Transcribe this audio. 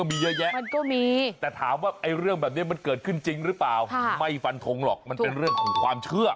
มีเยอะแยะมันก็มีแต่ถามว่าไอ้เรื่องแบบนี้มันเกิดขึ้นจริงหรือเปล่าไม่ฟันทงหรอกมันเป็นเรื่องของความเชื่อ